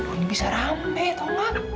ini bisa rampe tau gak